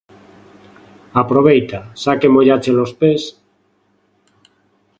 Aproveita, xa que mollaches os pés.